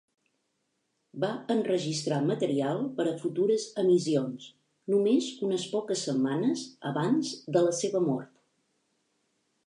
Va enregistrar material per a futures emissions, només unes poques setmanes abans de la seva mort.